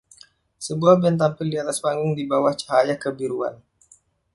Sebuah band tampil di atas panggung di bawah cahaya kebiruan.